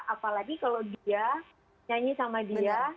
apalagi kalau dia nyanyi sama dia